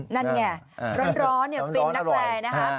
นั่นไงร้อนฟินนักแกร่นะครับ